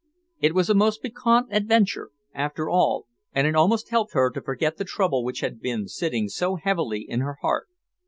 It was a most piquant adventure, after all, and it almost helped her to forget the trouble which had been sitting so heavily in her heart.